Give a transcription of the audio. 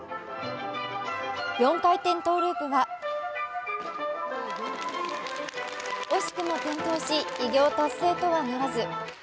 ４回転トゥループは惜しくも転倒し偉業達成とはならず。